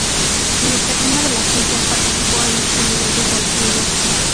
En el terreno de las ciencias, participó en experimentos de alquimia.